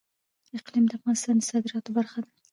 اقلیم د افغانستان د صادراتو برخه ده.